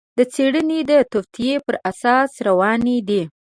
دا څېړنې د توطیو پر اساس روانې دي.